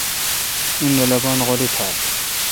اؙن رل اپان غولی تھال۔